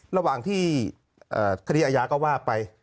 ระหว่างที่คดีอาญาก็ว่าไป